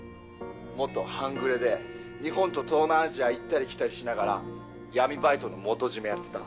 元半グレで日本と東南アジア行ったり来たりしながら闇バイトの元締めやってた。